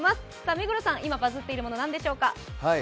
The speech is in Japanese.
目黒さん、今バズっているもの何でしょうか。